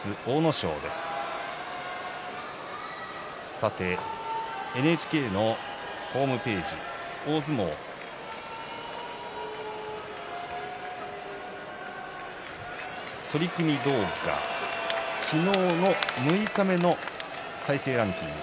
さてＮＨＫのホームページ、大相撲取組動画、昨日の六日目の再生ランキング。